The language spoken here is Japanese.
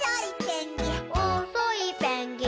「おっそいペンギン」